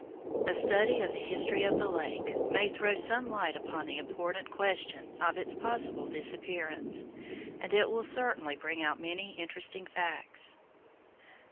A study of the history of the lake may throw some light upon the important question of its possible disappearance, and it will certainly bring out many interesting facts.